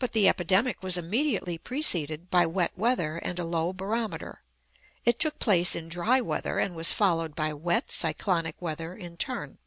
But the epidemic was immediately preceded by wet weather and a low barometer. It took place in dry weather, and was followed by wet, cyclonic weather in turn.